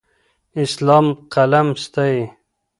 اسلام قلم ستایي.